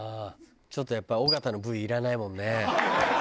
ちょっとやっぱ尾形のＶいらないもんね。